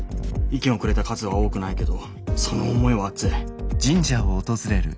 意見をくれた数は多くないけどその思いは熱い。